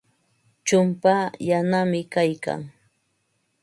Chumpaa yanami kaykan.